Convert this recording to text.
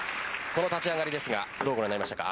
この立ち上がりですがどうご覧になりましたか。